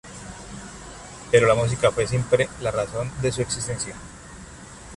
Pero la música fue siempre la razón de su existencia.